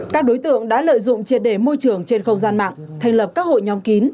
các đối tượng đã lợi dụng triệt đề môi trường trên không gian mạng thành lập các hội nhóm kín